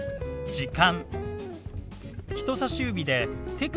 「時間」。